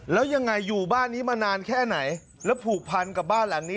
แล้วยังไงอยู่บ้านนี้มานานแค่ไหนแล้วผูกพันกับบ้านหลังนี้